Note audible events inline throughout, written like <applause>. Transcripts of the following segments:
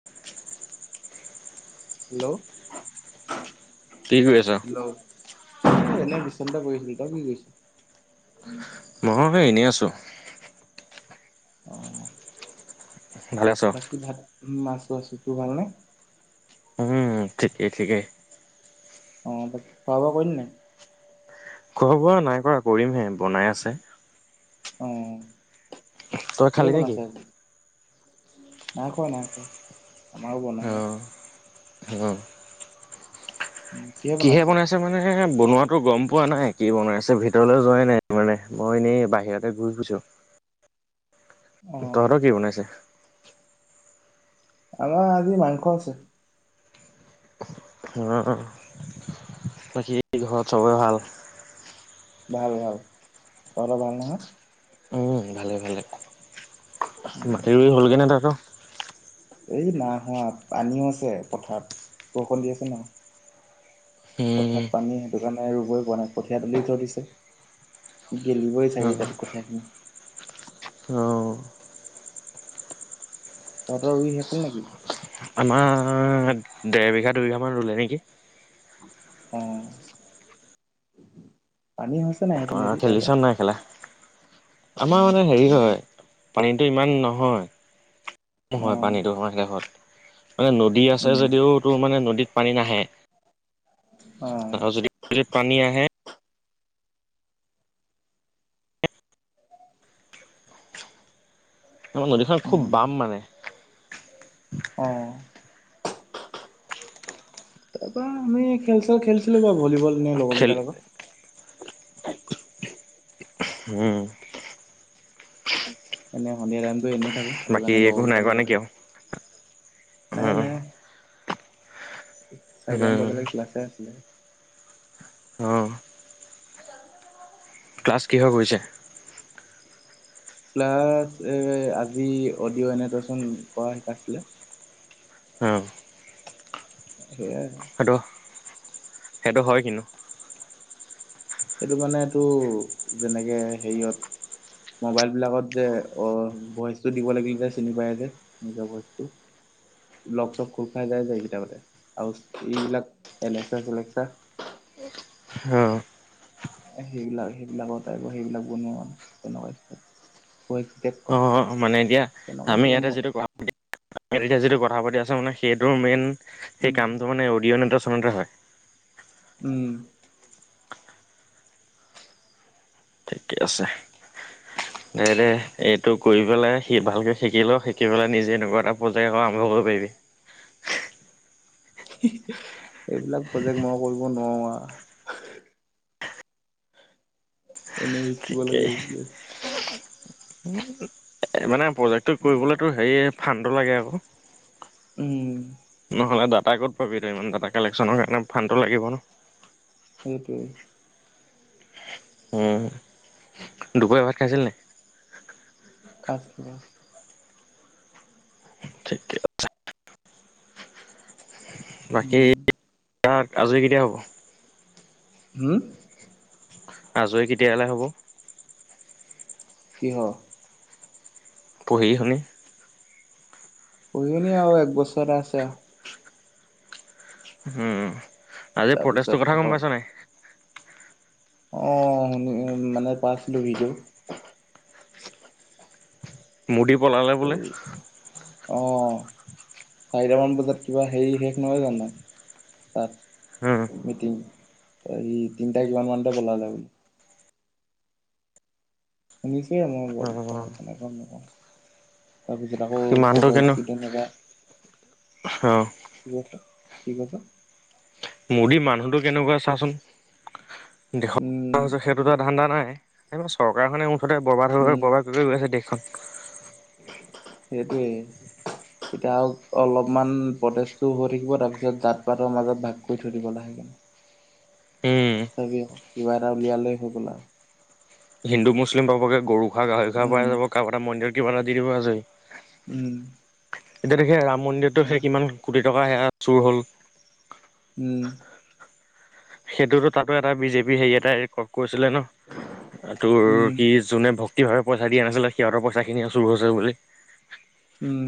<inaudible> Hello. কি কৰি আছা। হেল্ল' এ‌ এনে বিছনাতে <inaudible> ত‌ই কি কৈছ। মই সেই এনেই আছোঁ। অ ভালে আছ? বাকী ভাত মাছ আছোঁ টো ভালনে। উম ঠিকে ঠিকেই। অ খোৱা বোৱা কৰিলি নাই। খোৱা বোৱা নাই কৰা কৰিমহে বনাই আছে। অ তই কিহে খালি নেকি? বনাইছে। নাই খোৱা নাই খোৱা আমাৰো বনাই আ। অ', <unintelligible> কিহে বনাইছে মা। নে বনোৱাতো গম পোৱা নাই কি বনাই আছে ভিতৰলৈ যোৱাই নাই মানে মই এনেই বাহিৰতে ঘূৰি ফুৰিছোঁ। অ তহঁৰ কি ব। আমাৰ আজি মাংস আছে। অ বাকী ঘৰত চবেৰে ভাল। ভাল ভাল তহতৰ ভাল নহয়। উম ভালে ভালে উম মাটি ৰুই হ'লগৈ ন তাহতৰ। এই না হোৱা পানী আছে পথাৰত বৰষুণ দি আছে নাই। উম পথাৰাত পানী সেইটো কাৰণে ৰুবই পোৱা নাই কঠীয়া তুলি থৈ দিছে। গেলিবই চাগে অ', তাত কঠিয়াখিনি। অ। তহঁতৰ ৰুই শেষ হ'ল নেকি। আমাৰ দেৰ বিঘা দুইবিঘা মান ৰুলে নেকি। অ পানী হৈছে নাই সেইপিনে দি খেলিছ তহঁতৰ। নাই খেলা? আমাৰ মানে হেৰি হয় পানীটো ইমান নহয়। হয় অ', পানীটো আ <inaudible> মানে নদী আছে উম, যদিও তো মানে নদীত পানী নাহে। অ', আৰু যদি‌ যদি পানী আহে। আমাৰ নদীখন খুব উম, বাম মানে। অ। তাৰপৰা আমি খেল চেল খেলছ বাৰু ভলীবল নে লগৰ খেল কেইটাৰ লগত। উম। এনে সন্ধিয় টাইমটো এনেই থাকো। সেইটো বাকী কাৰণে একো লগৰ নাই কেইটাৰ কৰা নেকি লগতে আৰু নাই উম নাই। চাৰিতা মান উম বজালে ক্লাছে আছিলে। অ। ক্লাছ কি হ কৰিছে। ক্লাছ এ আজি অডিঅ' এনেটচন কৰা শিকাইছিলে। অ। সেয়া। <inaudible> সেইটো হয় কিনো। এটো মানে টো যেনেকে হেৰি য়। মোবাইলবিলাকত যে অ ভইচটো দিব লাগিলে যে চিনি কৰায় যে। নিজ ভইচ টো। লগ চক খোল খাই যাই যায় কেইটামানতে। আৰু এইবিলাক এলেক্সা চেলেকসা অ সেইবিলাক সেইবিলাকৰ টাইপৰ সেইবিলাক বনোৱা আৰু তেনেকুৱাক অঁ মানে এতিয়া আমি ইয়াতে যিটো পাতি এতিয়া যিটো কথা পাতি আছো মানে সেইটোৰ মেইন সেই উম কামটো মানে অডিঅ' নেতা চনোত হয়। উম ঠিকে আছে। দে দে এইটো কৰি পেলাই, সি ভালকৈ শিকি লওঁ শিকি পেলাই নিজে এনেকুৱা এটা প্ৰজেক্ট আৰম্ভ কৰিব পাৰিবি। এইবিলাক প্ৰজেক্ট মই কৰিব নোৱাৰো। এনে শিকিব লাগে শিকিছে উ মানে প্ৰজেক্টটো কৰিবলৈতো হেৰি ফাণ্ডটো লাগে আকৌ উম নহ'লে দাটা ক'ত পাবি তই ইমান দাটা কালেকশ্যনৰ কাৰণে ফাডটো লাগিব ন? সেইটোৱেই উম। দুপৰীয়া ভাত খাইছিল নি? <unintelligible> ঠিকে বাকী উম তাত আজৰি কেতিয়া হ'ব? হম আজৰি কেতিয়ালে হ'ব? কিহ? পঢ়ি শুনি পঢ়ি শুনি আৰু এক বছৰ আছে। উ। আজি তাৰপিছত ফটেজটোৰ কথা গম খতম পাইছ নাই? অ শুনি মানে পাইছিলো ভিডিঅ'। মুদি পলালে বোলে? অঁ চাৰিটামান বজাত কিবা হেৰি শেষ নহয় জানো তাত? উম মিটিং ত সেই তিনটা কিমান মানতে বলালে বুলে। শুনিছে মই <unintelligible> তাৰপিছত আকৌ সি মানুহটো কব কেনে ষ্টুডেন্ট এটা অ কি কৈছে? কি কৈছে? মোদীৰ মানুহতটো কেনেকুৱা চাচোন ছ উম সেইটোতো ধান্দা নাই। এই চৰকাৰখনে মুঠতে বৰবাদ হৈ বৰবাদ কৰি গৈ আছে দেশখন সেইটোৱেই এতিয়া অলপমান প্ৰটেছটো হৈ থাকিব তাৰ পিছত জাত পাতৰ মাজত ভাগ কৰি থৈ দিব লাহে কিনে। উম তথাপি আ কিবা এটা উলিয়ালেই হৈ গ'ল আৰু। হিন্দু মুছলিম পাবগে গৰু খা গাহৰি খোৱা উম পাই যাব কাৰো এটা মন্দিৰত কিবা এটা দি দিব আজি উম এতিয়া দেখি ৰাম মন্দিৰতো সেই কিমান কোটি টকা সেয়া চুৰ হ'ল উম সেইটোতো তাতো এটা বিজেপি হেৰি এটাই কেৰৰ্ড কৰিছিলে ন তোৰ উম সি যোনে ভক্তিভাৱে পইচা দিয়া নাছিলে সিহঁতৰ পইচাখিনিহে চুৰ হৈছে বুলি উম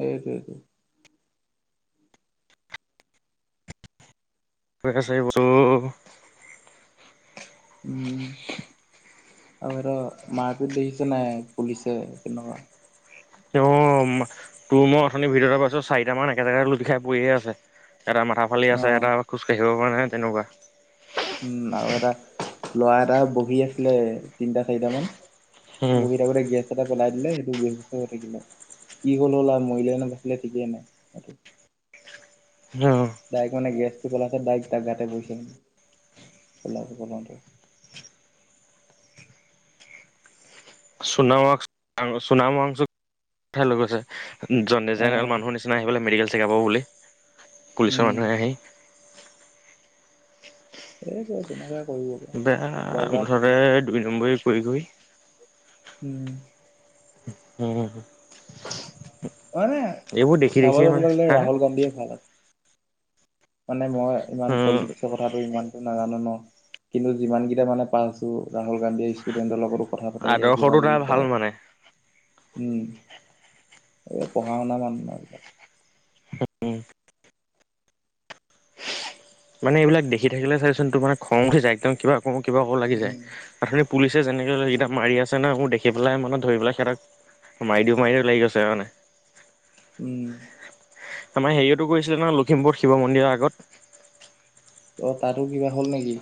সেইটোৱেটো হৈ আছে এইবো চব উম আৰু সেত মাৰপিট দেখিছে নাই পুলিচে কেনকা অ তোৰ মই অথনি ভিডিঅ এটা পাইছো চাৰিটা মান একে জেগাত লুটি খাই পৰিয়ে আছে এটা মাথা ফালি অ আছে, এটা খোজ কাঢ়িব পৰা নে তেনেকুৱা উম আৰু এটা ল'ৰা এটা বহী আছিলে তিনটা চাৰিটা মান বহী থাকোতে গেছ এটা জ্বলাই দিলে সেইটো ৱেচে হৈ থাকিলে কি হল হলআও মৰিলে নে বাচিলে ঠিকে নাই সেটো অ দাইক মানে গেছটো পেলাওতে দাইক তাৰ গাতে পৰিছে মানে পেলাওতে পেলাওতে <unintelligible> নিচিনা আহি পেলাই অ' মেডিকেল চেকআপৰ বুলি পুলিচৰ উম মানুহে আহি এটোৱে তেনেকুৱাই কৰিব পাৰে। বেয়া বৰবাদ মুঠতে দিলে। দুই নম্বৰি কৰি কৰি উম উম মানে এইবোৰ দেখি দেখিয়ে চাবলে মানে গলে হা ৰাহুল গান্ধীয়ে ভাল আছি মানে মই ইমান উম পলিটিক্সল কথাটো ইমানতটো নাজানো ন কিন্তু যিমান কেইটা মানে পাছো ৰাহুল গান্ধীয়ে ষ্টুডেন্টৰ লগত কথা পাতেগে কিবা আদৰ্শটো কিবি তাৰ ভাল কয় মানে উম এ পঢ়া-শুনা মানুহ ন এইবিলাক মানে এইবিলাক দেখি থাকিলে ছাগে চোন তোমাৰ খংউঠি যায় একদম কিবা কিবা কওঁ কিবা কওঁ লাগি যায় উম আথনি পুলিচে যেনেকে ইগিটা মাৰি আছে আছে নহ মোৰ দেখি পেলাই মানে ধৰিপেলাই সিহঁতক মাৰি দিও মাৰি দিওঁ লাগি গৈছে মানে উম আমাৰ হেৰিয়টো কৰিছিলে নহয় লখিপুৰ শিৱ মন্দিৰৰ আগত অ তাতো কিবা হ'ল নেকি?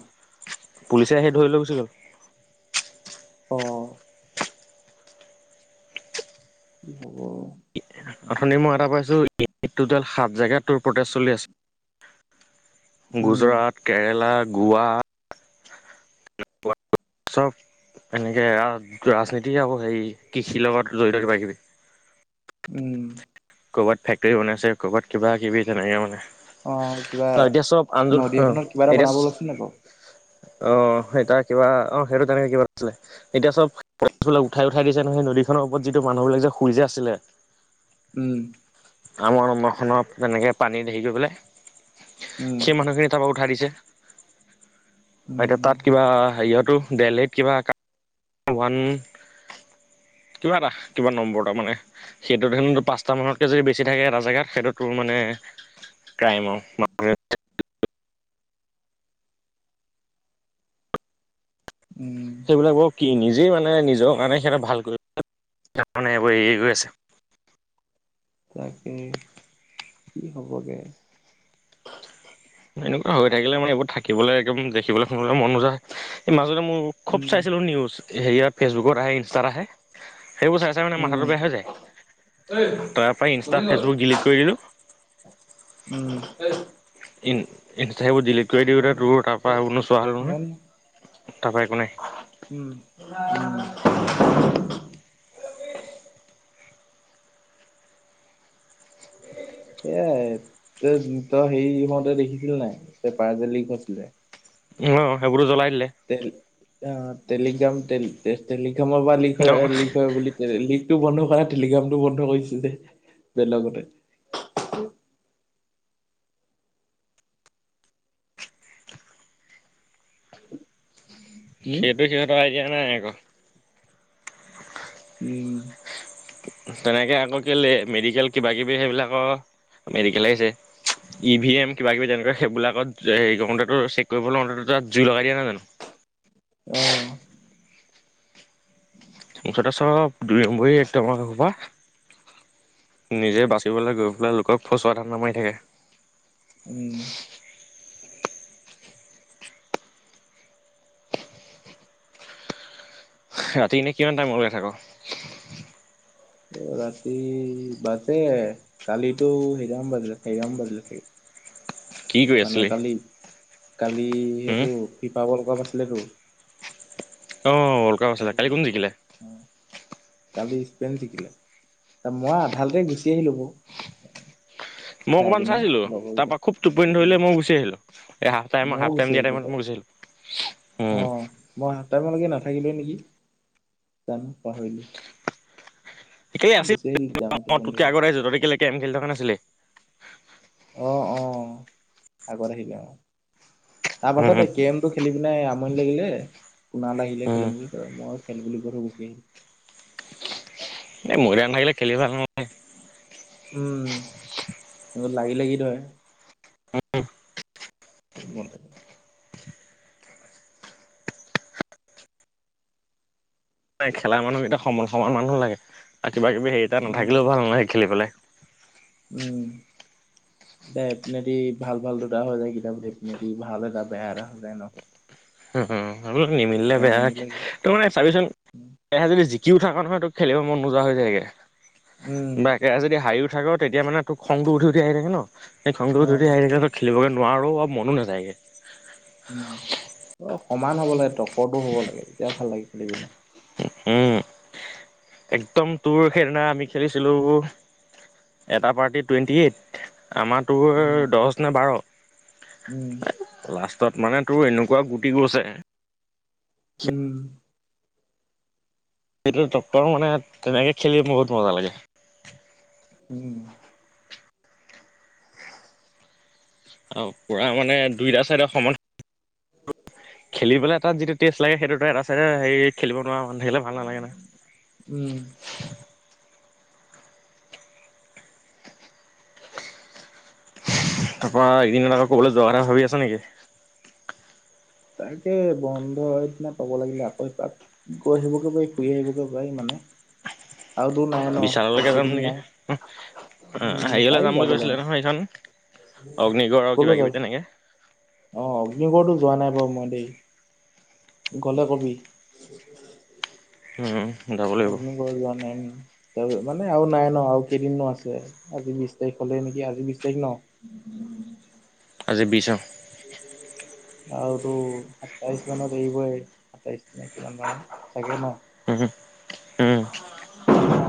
পুলিচে আহি ধৰি লৈ গোছিগল অ কি হ'ব অথনি মই এটা পাইছো দুটা সাপ জেগাত প্ৰতেষ্ট চলি আছে উম গুজৰাট, কেৰেলা, গোৱা <unintelligible> চব এনেকে ৰাজনীতি আও হেৰি কৃষিৰ লগত জড়িত কিবা-কিবি উম ক'ৰবাত ফেক্টৰী বনাইছে ক'ৰবাত কিবা কিবি তেনেকে মানে অ কিবা এতিয়া চব আন্দোল নদী অ এখনত কিবা এটা বনাব লৈছিল নাই বাৰু এতিয়া অ হেতাৰ কিবা অ সেইটো তেনেকে কিবা আছিলে এতিয়া চব পিছফালে উঠাই উঠাই দিছে নহয় নদীখনৰ ওপৰত যিটো মানুহবিলাক যে শুই যে আছিলে উম কামৰ মখনত যেনেকে পানী হেৰি কৰি পেলাই উম সেই মানুহখিনি চব উঠাই দিছে এতিয়া উম তাত কিবা হেৰিয়তো ওৱান কিবা এটা কিবা নম্বৰ এটা মানে সেইটোত হেনো পাঁচটা মানতকে যদি বেছি থাকে এটা জেগাত সেইটো তোৰ মানে ক্ৰাইম আও <unintelligible> উম। এইবোৰ কি নিজেই মানে নিজৰ মানে সিহঁত ভাল ক <unintelligible> এইবোৰ এৰি এৰি গৈ আছে। তাকে কি হ'বগে! এনেকুৱা হৈ থাকিলে মানে এইবোৰ থাকিবলে একদম দেখিবলে শুনিবলে মন নোযোৱা হয়, এই মাজতে মোৰ উম খুব চাইছিলো নিউজ হেৰিয়ত ফেচবুকত আহে ইনষ্টাৰ আহে, সেইবোৰ চাই তাৰ মানে উম মাথাটো বেয়া হৈ যায়, ঐ তাৰ পৰা ইনষ্টা গোবিন ক'ত ফেচবুক ডিলিট কৰি দিলোঁ। উম <unintelligible> ই ইনষ্টা সেইবোৰ ডিলিট কৰি দিওঁতে নাজানো তোৰ তাৰপৰা এইবোৰ নোচোৱা হ'ল নহয়, নাজানো তাৰপৰা একো নাই। উম উম <unintelligible> এয়াই তে তই হেৰি হওঁতে দেখিছিল নাই পেপাৰ যে লিক হৈছিলে? অঁ সেইবোৰো ত জ্বলাই দিলে। টেল অ টেলিগ্ৰাম টে টেলিগ্ৰামৰ পৰা লিক হয় অ' লিক হয় বুলি লিকটো বন্ধ কৰা টেলিগ্ৰামটো বন্ধ কৰিছে দে লগতে। উম, সেইটো সিহঁতৰ আইডিয়া নাই আকৌ। উম। তেনেকে আকৌ কেলে মেডিকেল কিবা কিবি সেইবিলাকৰ মেডিকেলহে চাই। ই ভি এম কিবা কিবি তেনেকুৱা সেইবিলাকত সেই কৰোঁতে তোৰ চেক কৰিব লওঁতে তাত জুই লগাই দিয়া নাই জানো। অ। মুঠতে সব দুই নম্বৰি একদম আও সেইসোপা। নিজে বাচিবলে গৈ পেলাই লোকক ফচুৱা ধাণ্ডা মাৰি থাকে। উম। ৰাতি এনেই কিমান টাইমৰলেকে থাক? অ ৰাতি বাজে কালিতো সেইটামান বাজিলে চাৰিটা মান বাজিলে চাগে। কি কৰি মানে আছিলি কালি কালি হুম সেইটো ফিফা বৰ্ল কাপ আছিলেতো। অ ৱলকাপ আছিলে, কালি কোন তাৰপিছত জিকিলে? অ', কালি স্পেইন জিকিলে, ত মই আধাতে গুচি আহিলো বাও। মই অকমান চাইছিলো, তাৰপৰা খুব টোপনি ধৰিলে মই গুচি আহিলো, এই হাফটাইম ময়ো হাফটাইম গুচি দিয়া আহিলো টাইমত তাৰ মই গুচি আহিলো। অ মই হাফটাইমলেকে নাথাকিলোৱে নেকি? জানো পাহৰিলো। একে লগে আছিল গুচি আহিল তেতিয়া আকৌ <unintelligible> টোপনি তোতকে ধৰিলে আগত আহিছোঁ তহঁতি কেলে কেম খেলি থকা নাছিলি। অঁ অঁ আগত আহিলি অঁ, তাৰপাছতে উম কেম টো খেলি পিনে আমনি লাগিলে, কুণাল আহিলে উম খেলুং বুলি তই মই খেল বুলি কৈ থৈ গুচি আহিলো। এ মইডা নেথাকিলে খেলি ভাল নেলাগে। উম লাগি লাগি ধৰে। <unintelligible> ৰুমত থাকে। নাই খেলাৰ মানুহ কেইটা সমান সমান মানুহ লাগে, আৰু কিবা কিবি হেৰি এটা নাথাকিলেও ভাল নালাগে খেলি পেলাই। উম। এ এপিনেদি ভাল ভাল দুটা হৈ যায় কেতিয়াব সেপিনেদি ভাল এটা বেয়া এটা হৈ যায় ন। হু হুম হলোঁ নিমিলিলে তেতিয়া বেয়া নিমিলেগে তোৰ মানে চাবিচোন একেৰাহে যদি জিকিও থাক নহয় তোক খেলিব মন নোযোৱা হৈ যায়গে। উম। <inaudible> এতিয়া যদি হাৰিও থাকো। তেতিয়া মানে তোক খংটো উঠৈ-উঠে আহি থাকে ন। সেই খংটো উঠে-উঠৈ অ', আহি থাকে ত <inaudible> খেলিবলে নোৱাৰো আৰু মনো নাযায়। <inaudible> উম! অ সমান হ'ব লাগে টৰ্কৰটো হ'ব লাগে তেতিয়া ভাল লাগে খেলি পিনে। <inaudible> উম! একদম তোৰ সেইদিনা আমি খেলিছিলোঁ <inaudible> এটা পাৰ্টি টুৱেণ্টি এইট। আমাৰ উম তোৰ দহ নে বাৰ। <inaudible> উম। <unintelligible> লাষ্টত মানে তোৰ এনেকুৱা গুটি গৈছে <unintelligible> উম। <inaudible> সেইটো টক্কৰ মানে তেনেকৈ খেলি বহুত মজা লাগে। <inaudible> উম! <inaudible> আৰু পুৰা মানে দুইটা-চাৰিটা সমান <inaudible> <inaudible> খেলিবেল তাত যিটো টেষ্ট লাগে সেইটো ত এটা <unintelligible> হেৰি খেলিব নোৱাৰা মানুহ থাকিলে ভাল নালাগে না। উম। <unintelligible> তাৰ পৰা এইকেইদিনত আকৌ ক'বলৈ যোৱাৰ কথা ভাবি আছ নেকি? <unintelligible> তাকে বন্ধ হয় দিনা পাব লাগিলে আকৌ পাত <unintelligible> গৈ আহিবকে পাৰি, ফুৰি আহিবকে পাৰি মানে। <inaudible> আৰু দূৰ নাই ন <inaudible> বিশাললৈকে বেছি যাম দিন নেকি? নাই উম! উম হেৰিয়লে পাৰি যাম বুলি যাবলৈ কৈছিলে নহয় এইখন অগ্নিগড় আৰু কিবাকিবি তেনেকে। <inaudible> অঁ! অগ্নিগড়তো যোৱা নাই বাৰু মই দেই। <inaudible> গ'লে কবি? <inaudible> উম! যাব লাগিব। <inaudible> ঘৰ যোৱা নাই উম! তাৰপিছত মানে আৰু নাই ন আৰু কেইদিনো আছে। <inaudible> আজি বিছ তাৰিখ হলেই নেকি? আজি বিছ তাৰিখ ন? <inaudible> আজি বিছ অঁ। <inaudible> আৰুতো সাতাইশ মানত এৰিবই সাতাইশ নে কিমান মানত চাগে ন? <inaudible> উম উম <unintelligible>